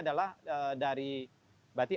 adalah dari berarti